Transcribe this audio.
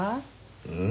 うん？